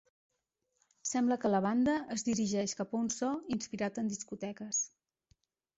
Sembla que la banda es dirigeix cap a un so inspirat en discoteques.